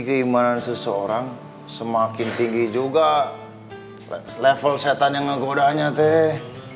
keimanan seseorang semakin tinggi juga level setan yang godaannya teh